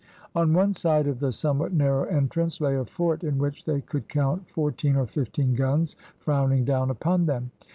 On one side of the somewhat narrow entrance lay a fort in which they could count fourteen or fifteen guns frowning down upon them.